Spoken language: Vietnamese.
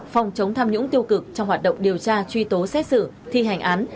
phòng chống tham nhũng tiêu cực trong hoạt động điều tra truy tố xét xử thi hành án